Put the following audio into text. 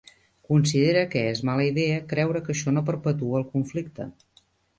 Considera que és mala idea creure que això no perpetua el conflicte.